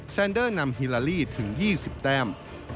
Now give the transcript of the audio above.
แซนเดอร์นำฮิลาลีถึง๒๐แต้ม